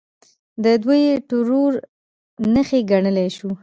د دوی ټرور نښې ګڼلی شو.